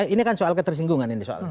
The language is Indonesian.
ini kan soal ketersinggungan ini soal